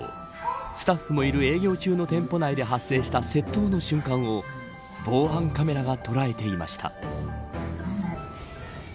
スタッフもいる営業中の店舗内で発生した窃盗の瞬間を防犯カメラが捉えていました。